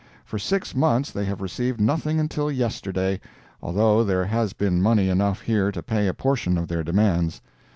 For six months they had received nothing until yesterday, although there has been money enough here to pay a portion of their demands.